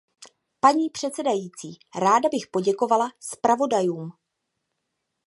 Paní předsedající, ráda bych poděkovala zpravodajům.